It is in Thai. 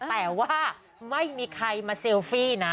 แต่ว่าไม่มีใครมาเซลฟี่นะ